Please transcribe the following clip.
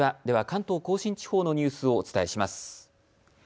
では関東甲信地方のニュースをお伝えします。